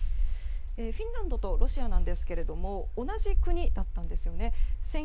フィンランドとロシアですが同じ国だったんですね。